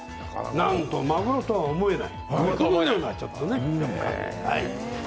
なんとマグロとは思えない。